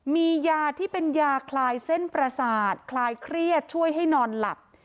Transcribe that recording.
มียาที่เป็นยาคลายเส้นประสาทคลายเครียดช่วยให้นอนหลับ